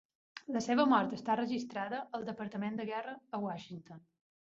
La seva mort està registrada al Departament de Guerra a Washington.